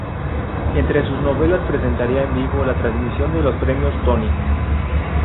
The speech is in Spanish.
Entre sus novedades presentaría en vivo la transmisión de los Premios Tony.